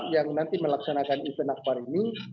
yang nanti melaksanakan event akbar ini